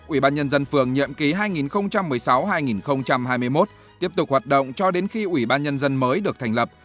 ủy ban nhân dân phường nhiệm ký hai nghìn một mươi sáu hai nghìn hai mươi một tiếp tục hoạt động cho đến khi ủy ban nhân dân mới được thành lập